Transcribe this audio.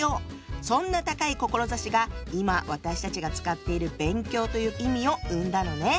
そんな高い志が今私たちが使っている「勉強」という意味を生んだのね。